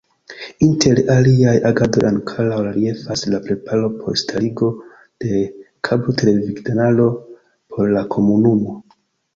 Inter aliaj agadoj ankoraŭ reliefas la preparo por starigo de kablo-televidkanalo por la komunumo.